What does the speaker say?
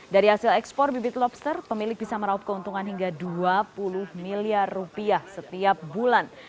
dari hasil ekspor bibit lobster pemilik bisa meraup keuntungan hingga dua puluh miliar rupiah setiap bulan